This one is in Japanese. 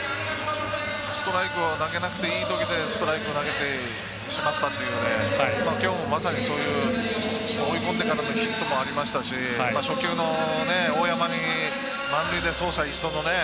ストライクを投げなくていいときストライクを投げてしまったときょうもまさにそういう追い込んでからのヒットもありましたし初球の大山に満塁で走者一掃のね。